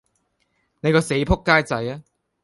你個死仆街仔吖！